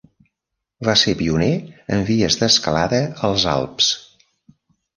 Va ser pioner en vies d'escalada als Alps.